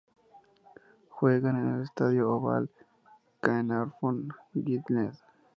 Juegan en el estadio Oval, Caernarfon, Gwynedd.